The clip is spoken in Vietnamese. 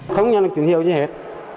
không nhận được chứng hiệu gì hết